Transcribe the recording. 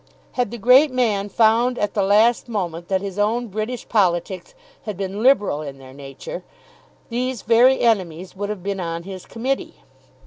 Had the great man found at the last moment that his own British politics had been liberal in their nature, these very enemies would have been on his committee.